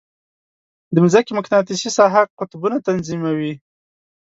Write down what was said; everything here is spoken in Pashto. د مځکې مقناطیسي ساحه قطبونه تنظیموي.